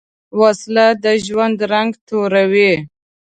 وسله د ژوند رنګ توروې